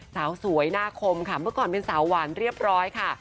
สาวสวยหน้าคมค่ะเมื่อก่อนเป็นสาวหวานเรียบร้อยค่ะ